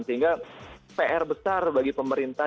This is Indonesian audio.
sehingga pr besar bagi pemerintah